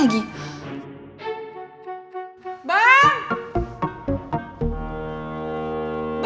ibu ibu ibu